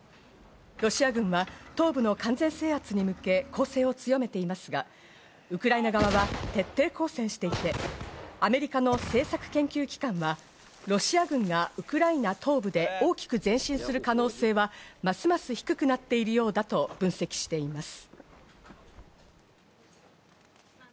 ロシア軍は東部の完全制圧に向け攻勢を強めていますが、ウクライナ側は徹底抗戦していて、アメリカの政策研究機関は、ロシア軍がウクライナ東部で大きく前進する可能性はますます低くなっているようだと分析しています。